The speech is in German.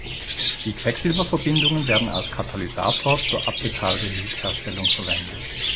Die Quecksilberverbindungen werden als Katalysator zur Acetaldehyd-Herstellung verwendet.